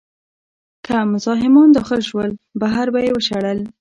که مزاحمان داخل شول، بهر به یې وشړل.